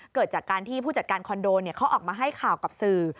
เกิดจากการที่ผู้จัดการคอนโดเขาออกมาให้ข่าวกับสื่อ